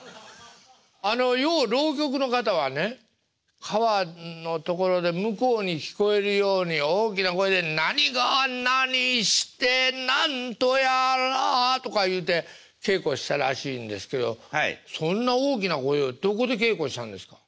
あのよう浪曲の方はね川のところで向こうに聞こえるように大きな声で何が何して何とやらとか言うて稽古したらしいんですけどそんな大きな声をどこで稽古したんですか？